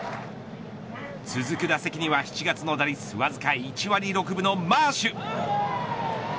続く打席には７月の打率わずか１割６分のマーシュ。